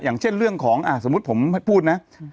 อย่างเช่นเรื่องของสมมุติผมให้พูดนะ